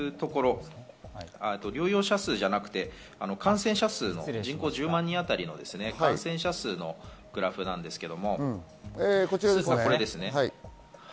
療養者数ではなく感染者数、人口１０万人あたりの感染者数のグラフですが、こちらですね。